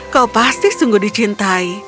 kau pasti sungguh dicintai